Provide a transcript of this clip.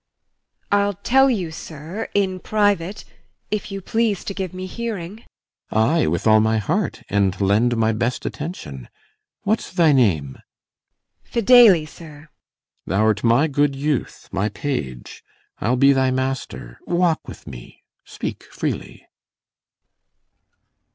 IMOGEN. I'll tell you, sir, in private, if you please To give me hearing. CYMBELINE. Ay, with all my heart, And lend my best attention. What's thy name? IMOGEN. Fidele, sir. CYMBELINE. Thou'rt my good youth, my page; I'll be thy master. Walk with me; speak freely.